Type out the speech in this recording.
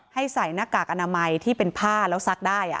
ใส่หน้ากากอนามัยที่เป็นผ้าแล้วซักได้